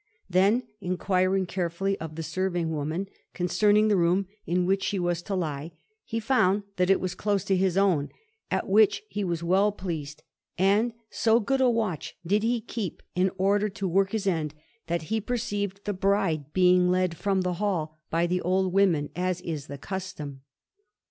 Then, inquiring carefully of the serving woman concerning the room in which she was to lie, he found that it was close to his own, at which he was well pleased; and so good a watch did he keep in order to work his end, that he perceived the bride being led from the hall by the old women, as is the custom.